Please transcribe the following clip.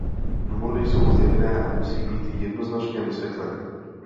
Důvody jsou zjevné a musí být jednoznačně vysvětleny.